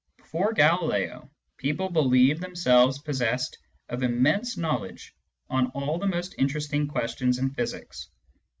Before Galileo, people believed themselves possessed of immense knowledge on all the most interest ing questions in physics.